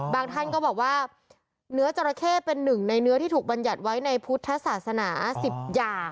ท่านก็บอกว่าเนื้อจราเข้เป็นหนึ่งในเนื้อที่ถูกบรรยัติไว้ในพุทธศาสนา๑๐อย่าง